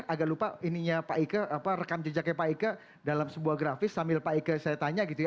agak lupa ininya pak ika apa rekam jejaknya pak ika dalam sebuah grafis sambil pak ika saya tanya gitu ya